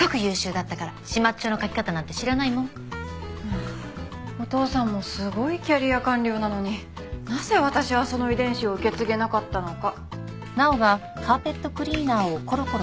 あお父さんもすごいキャリア官僚なのになぜ私はその遺伝子を受け継げなかったのか。